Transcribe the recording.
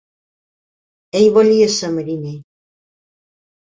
Ell volia ser mariner.